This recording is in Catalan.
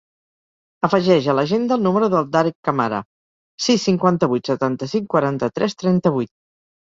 Afegeix a l'agenda el número del Darek Camara: sis, cinquanta-vuit, setanta-cinc, quaranta-tres, trenta-vuit.